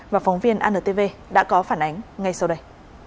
và phóng viên antv đã có phản ánh ngay sau đây